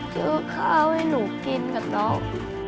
ซื้อข้าวให้หนูกินกับน้อง